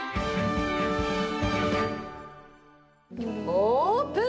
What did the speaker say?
オープン！